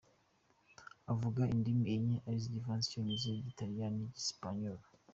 Avuga indimi enye ari zo : igifaransa, icyongereza, igitariyani n’ icyesipanyolo.